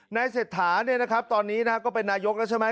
เศรษฐาตอนนี้ก็เป็นนายกแล้วใช่ไหม